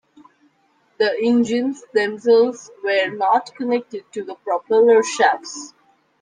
The engines themselves were not connected to the propeller shafts.